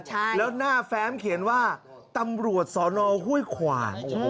ใช่แล้วหน้าแฟ้มเขียนว่าตำรวจสอนอห้วยขวาง